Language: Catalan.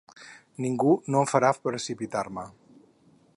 Ningú no em farà precipitar-me!